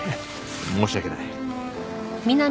申し訳ない。